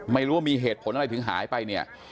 ไม่รู้ว่ามีเหตุผลอะไรถึงหายไปเนี่ย